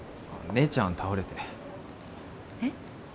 姉ちゃん倒れてえっ？